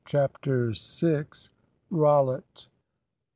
CHAPTER SIX. ROLLITT.